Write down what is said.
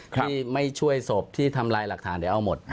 ที่ไม่ช่วยศพที่ทำลายหลักฐานเดี๋ยวเอาหมด